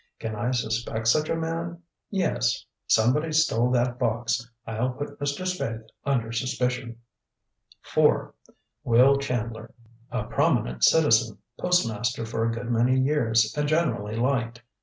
Can I suspect such a man? Yes. Somebody stole that box. I'll put Mr. Spaythe under suspicion. "4. Will Chandler. A prominent citizen, postmaster for a good many years and generally liked.